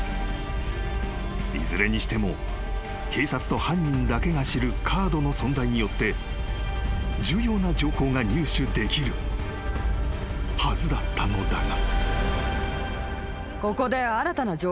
［いずれにしても警察と犯人だけが知るカードの存在によって重要な情報が入手できるはずだったのだが］